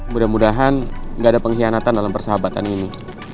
mudah mudahan gak ada pengkhianatan dalam persahabatan ini